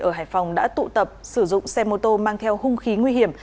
ở hải phòng đã tụ tập sử dụng xe mô tô mang theo hung khí nguy hiểm